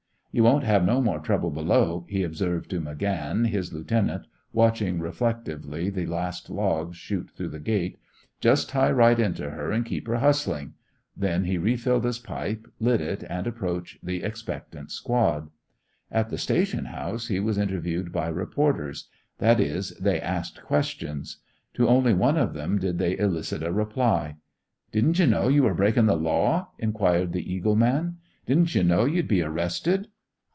"You won't have no more trouble below," he observed to McGann, his lieutenant, watching reflectively the last logs shoot through the gate. "Just tie right into her and keep her hustling." Then he refilled his pipe, lit it, and approached the expectant squad. At the station house he was interviewed by reporters. That is, they asked questions. To only one of them did they elicit a reply. "Didn't you know you were breaking the law?" inquired the Eagle man. "Didn't you know you'd be arrested?"